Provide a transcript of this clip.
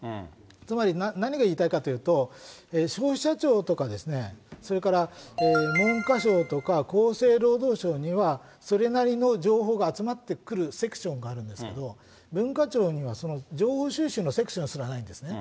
つまり何が言いたいかっていうと、消費者庁とか、それから文科省とか厚生労働省には、それなりの情報が集まってくるセクションがあるんですけど、文化庁にはその情報収集のセクションすらないんですね。